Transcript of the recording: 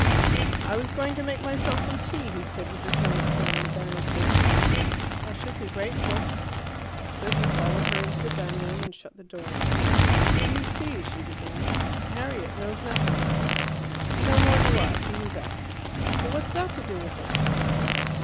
"I was going to make myself some tea," he said, with his hand still on the banisters. "I should be grateful " So he followed her into the dining room and shut the door. "You see," she began, "Harriet knows nothing." "No more do I. He was out." "But what's that to do with it?"